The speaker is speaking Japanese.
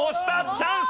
チャンス！